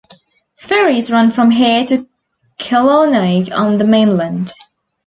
Ferries run from here to Claonaig on the mainland.